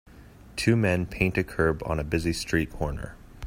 Two men paint a curb on a busy street corner.